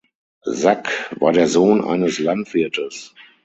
Sack war der Sohn eines Landwirtes.